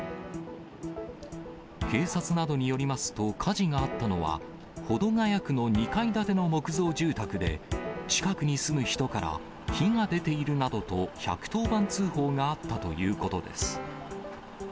警察などによりますと、火事があったのは保土ケ谷区の２階建ての木造住宅で、近くに住む人から火が出ているなどと１１０番通報があったということです。